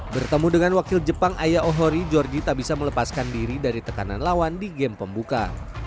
bertemu dengan wakil jepang aya ohori georgie tak bisa melepaskan diri dari tekanan lawan di game pembuka